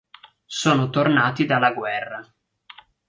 Sono tornati dalla guerra.